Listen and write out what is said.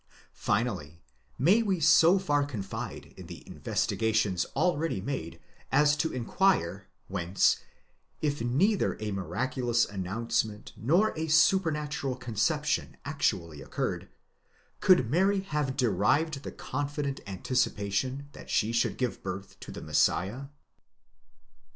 Finally, may we so far confide in the investigations already made as to inquire, whence, if neither a miraculous announcement nor a supernatural conception actually occurred, could Mary have derived the con fident anticipation that she should give birth to the Messiah